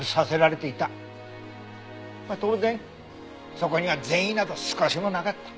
当然そこには善意など少しもなかった。